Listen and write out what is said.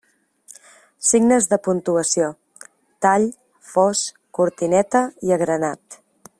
Signes de puntuació: tall, fos, cortineta i agranat.